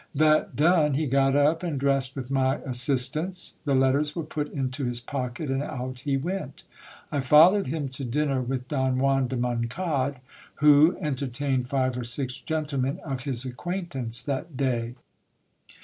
That done, he got up, and dressed with my assistance. The letters were put into his pocket, and out he went. I followed him to dinner with Don Juan de Moncade, who entertained five or six gentle men of his acquaintance that day.